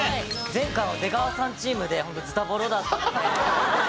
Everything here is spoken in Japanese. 前回は出川さんチームでホントズタボロだったので。